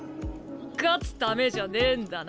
勝つためじゃねえんだな。